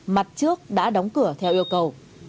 mặt trước đã đóng cửa theo yêu cầu